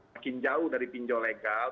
makin jauh dari pinjol legal